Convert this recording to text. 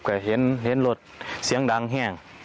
ก็เห็นรถเสียงดังแห้ง